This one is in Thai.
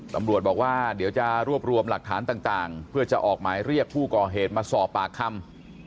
ตำรวจบอกว่าเดี๋ยวจะรวบรวมหลักฐานต่างเพื่อจะออกหมายเรียกผู้ก่อเหตุมาสอบปากคำ